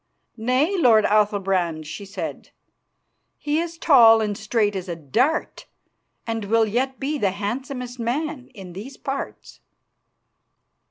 "Nay, lord Athalbrand," she said; "he is tall and straight as a dart, and will yet be the handsomest man in these parts."